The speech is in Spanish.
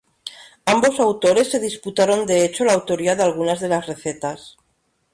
Ambos autores se disputaron de hecho la autoría de algunas de las recetas.